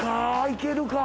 いけるか？